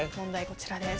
こちらです。